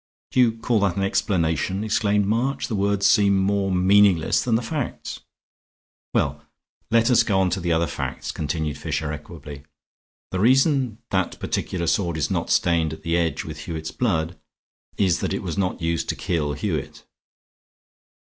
"Do you call that an explanation?" exclaimed March. "The words seem more meaningless, than the facts." "Well, let us go on to the other facts," continued Fisher, equably. "The reason that particular sword is not stained at the edge with Hewitt's blood is that it was not used to kill Hewitt."